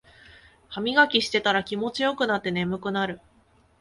ハミガキしてたら気持ちよくなって眠くなる